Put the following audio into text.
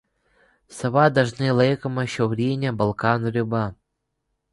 Sava dažnai laikoma šiaurine Balkanų riba.